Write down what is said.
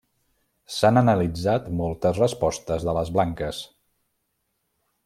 S'han analitzat moltes respostes de les blanques.